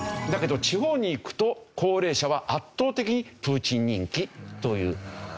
だけど地方に行くと高齢者は圧倒的にプーチン人気という。